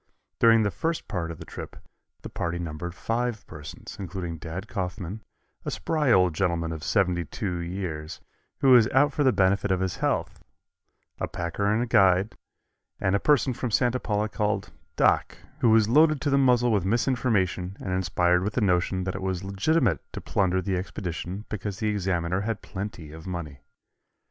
During the first part of the trip the party numbered five persons, including Dad Coffman, a spry old gentleman of seventy two years, who was out for the benefit of his health, a packer and guide, and a person from Santa Paula called "Doc," who was loaded to the muzzle with misinformation and inspired with the notion that it was legitimate to plunder the expedition because the Examiner had plenty of money.